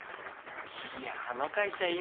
いやあの会社今。